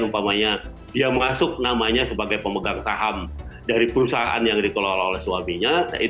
umpamanya dia masuk namanya sebagai pemegang saham dari perusahaan yang dikelola oleh suaminya